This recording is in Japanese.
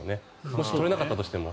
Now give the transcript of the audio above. もし取れなかったとしても。